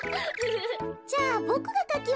じゃあボクがかきます。